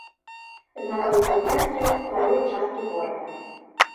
Знаходзіцца ў цэнтры старой часткі горада.